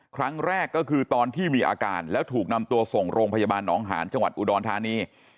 แรกก็คือตอนที่มีอาการแล้วถูกนำตัวส่งโรงพยาบาลหนองหาญจังหวัดอุดรธานี